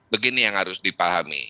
begini yang harus dipahami